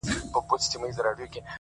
o ما خو پخوا مـسـته شــاعـــري كول،